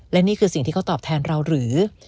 และนี่คือสิ่งที่เขาตอบแทนเราหรือ